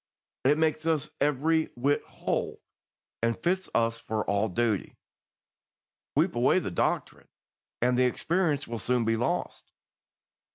It makes us every whit whole, and fits us for all duty. Sweep away the doctrine, and the experience will soon be lost.